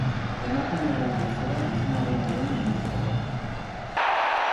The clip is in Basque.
Emakumearen plazera gizonarenaren mende zegoen.